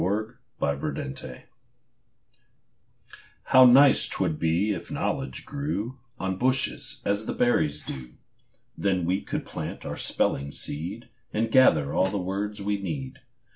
EASY KNOWLEDGE How nice 'twould be if knowledge grew On bushes, as the berries do! Then we could plant our spelling seed, And gather all the words we need.